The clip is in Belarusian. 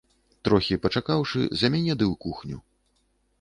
Трохі пачакаўшы, за мяне ды ў кухню.